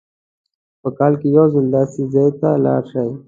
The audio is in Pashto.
په کال کې یو ځل داسې ځای ته لاړ شئ.